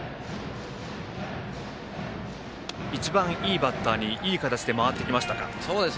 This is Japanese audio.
一番いいバッターに一番いい形で回ってきましたか。